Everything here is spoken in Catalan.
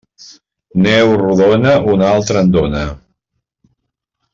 Neu redona, una altra en dóna.